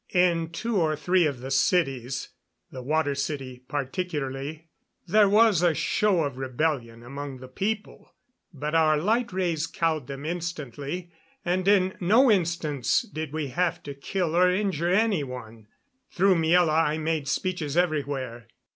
In two or three of the cities the Water City particularly there was a show of rebellion among the people; but our light rays cowed them instantly, and in no instance did we have to kill or injure any one. Through Miela I made speeches everywhere.